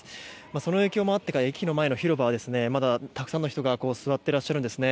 その影響もあってか駅の前の広場はまだ、たくさんの人が座ってらっしゃるんですね。